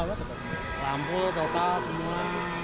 lampu total semua